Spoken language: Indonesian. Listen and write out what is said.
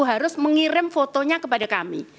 harus mengirim fotonya kepada kami